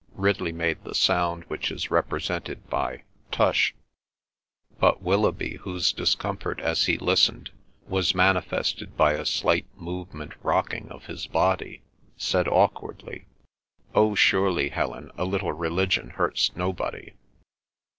Ridley made the sound which is represented by "Tush." But Willoughby, whose discomfort as he listened was manifested by a slight movement rocking of his body, said awkwardly, "Oh, surely, Helen, a little religion hurts nobody."